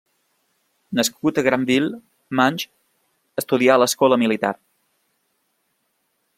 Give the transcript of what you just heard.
Nascut a Granville, Manche, estudià a l'Escola militar.